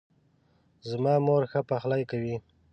زما مور ښه پخلۍ کوي